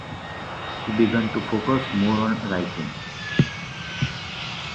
He began to focus more on writing.